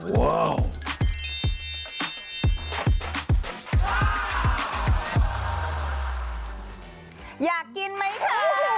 อยากกินไหมคะ